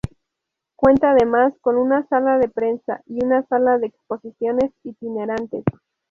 Cuenta además con una sala de prensa y una sala de exposiciones itinerantes.